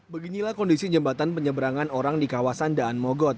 beginilah kondisi jembatan penyeberangan orang di kawasan daan mogot